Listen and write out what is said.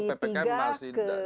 tapi ppkm belum diturunkan